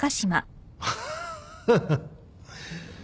ハッハハ！